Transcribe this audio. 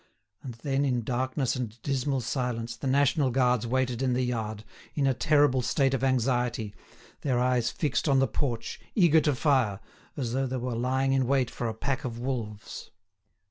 And then, in darkness and dismal silence, the national guards waited in the yard, in a terrible state of anxiety, their eyes fixed on the porch, eager to fire, as though they were lying in wait for a pack of wolves.